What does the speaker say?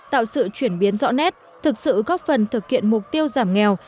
tạo sự chuyển biến rõ nét thực sự góp phần thực hiện mục tiêu giảm nghèo